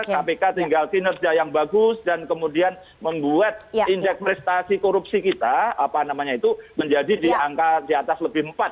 kpk tinggal kinerja yang bagus dan kemudian membuat indeks prestasi korupsi kita menjadi di angka di atas lebih empat